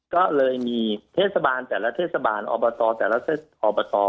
ก็เลยมีเทศบาลแต่ละเทศบาลอบตแต่ละอบต